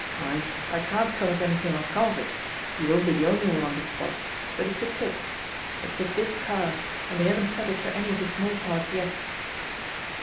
Mind, I can't promise anything'll come of it — ^you won't be the only one on the spot, but it's a tip. It's a big cast, and they haven't settled for any of the small parts yet."